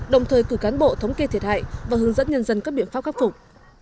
đồng thời cử cán bộ thống kê thiệt hại và hướng dẫn nhân dân các biện pháp khắc phục